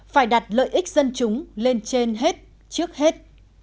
phải đặt lợi ích dân chúng lên trên hết trước hết